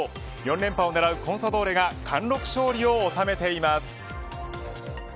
４連覇を狙うコンサドーレが貫禄勝利を収めています。